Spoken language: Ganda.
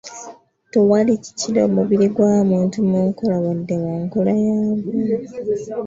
Tewali kikira mubiri gwa muntu mu nkola wadde mu nkula yaagwo.